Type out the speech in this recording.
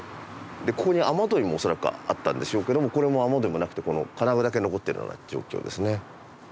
ここに雨どいも恐らくあったんでしょうけどもこれも雨どいもなくてこの金具だけ残っているような状況ですね。